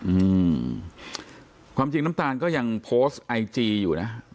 อืมความจริงน้ำตาลก็ยังโพสต์ไอจีอยู่นะ